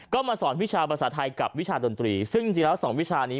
ก็มาสอนวิชาภาษาไทยกับวิชาดนตรีซึ่งจริงแล้วสองวิชานี้